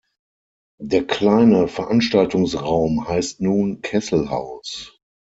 Der kleine Veranstaltungsraum heißt nun „Kesselhaus“.